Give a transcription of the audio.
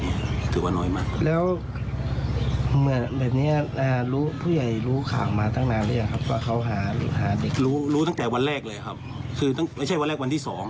ไม่ใช่วันแรกใช่วันที่๒